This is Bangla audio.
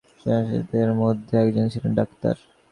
সঙ্গীদের মধ্যে আর একজন ছিলেন ডাক্তার।